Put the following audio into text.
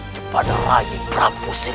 kepada rakyat prabu silimuni